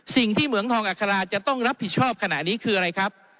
เหมืองทองอัคราจะต้องรับผิดชอบขณะนี้คืออะไรครับ